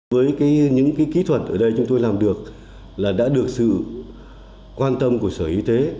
với những kỹ thuật ở đây chúng tôi làm được là đã được sự quan tâm của sở y tế